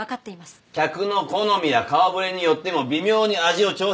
客の好みや顔ぶれによっても微妙に味を調節し。